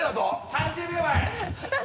３０秒前。